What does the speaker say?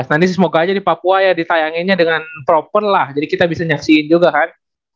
nanti semoga aja di papua ya ditayanginnya dengan proper lah jadi kita bisa nyaksiin juga kan